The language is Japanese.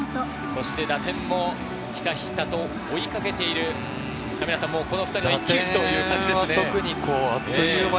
打点もひたひたと追いかけているこの２人の一騎打ちという感じですね。